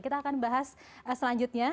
kita akan bahas selanjutnya